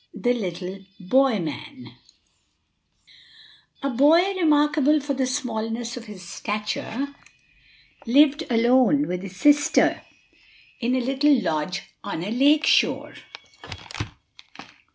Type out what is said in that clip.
THE LITTLE BOY MAN |A BOY remarkable for the smallness of his stature lived alone with his sister in a little lodge on a lake shore.